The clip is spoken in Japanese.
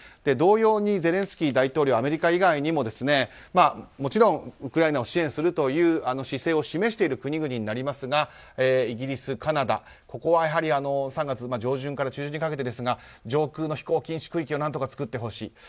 同様にゼレンスキー大統領アメリカ以外にももちろんウクライナを支援するという姿勢を示している国々になりますがイギリス、カナダ、ここはやはり３月上旬から中旬にかけて上空の飛行禁止区域を何とか作ってほしい。